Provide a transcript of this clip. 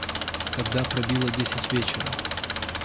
Тогда пробило десять вечера.